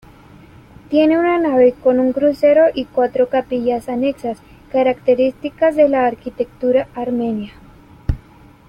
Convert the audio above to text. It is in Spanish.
Tiene una nave, con crucero y cuatro capillas anexas, características de la arquitectura armenia.